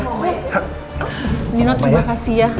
nino terima kasih ya